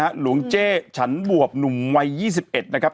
หลวงเจ๊ฉันบวบหนุ่มวัย๒๑นะครับ